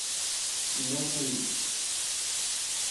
No Sleep